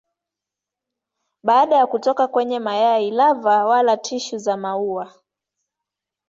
Baada ya kutoka kwenye mayai lava wala tishu za maua.